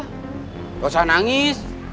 tidak usah nangis